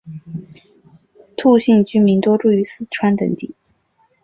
兔姓居民多住于四川等地。